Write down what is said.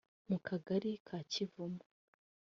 mu Kagari ka Kivumu